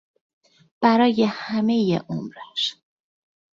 برای همهی عمرش